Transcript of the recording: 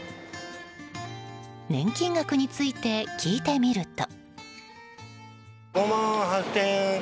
年金額について聞いてみると。